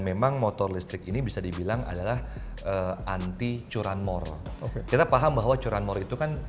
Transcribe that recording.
jadi kita bisa menggunakan perubahan yang bisa kita lakukan